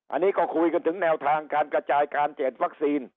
อันนี้ก็คุยกันถึงแนวทางการกระจายการเจ็ดวัคซีน